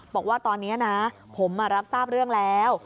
บอกว่าตอนนี้นะผมรับทราบเรื่องแล้ว